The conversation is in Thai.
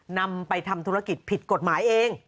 นำไปทำธุรกิจผิดกฎหมายเอง